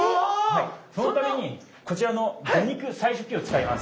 そのためにこちらの魚肉採取機を使います。